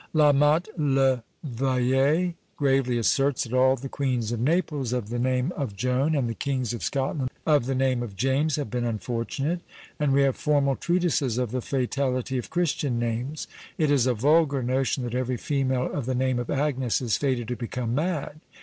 La Motte le Vayer gravely asserts that all the queens of Naples of the name of Joan, and the kings of Scotland of the name of James, have been unfortunate: and we have formal treatises of the fatality of Christian names. It is a vulgar notion that every female of the name of Agnes is fated to become mad.